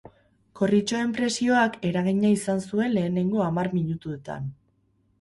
Gorritxoen presioak eragina izan zuen lehenengo hamar minutuetan.